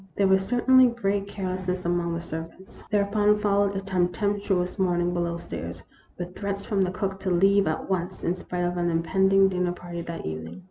There was certainly great carelessness among the servants. Thereupon followed a tem pestuous morning below stairs, with threats from the cook to leave at once, in spite of an impending dinner party that evening.